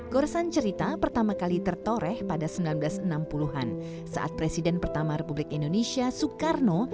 goresan cerita pertama kali tertoreh pada seribu sembilan ratus enam puluh an saat presiden pertama republik indonesia soekarno